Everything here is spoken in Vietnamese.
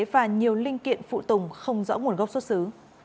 và nhiều linh kiện phụ tùng không rõ nguồn gốc xuất xứ